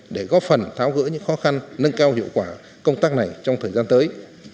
để góp phần tháo gỡ những khó khăn nâng cao hiệu quả công tác này trong thời gian tới